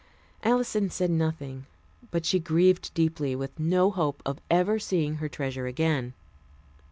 Alison said nothing, but she grieved deeply, with no hope of ever seeing her treasure again.